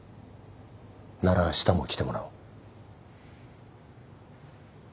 ならあしたも来てもらおう。